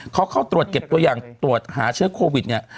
เขาเข้าตรวจเก็บตัวอย่างตรวจหาเชื้อโควิดเนี่ย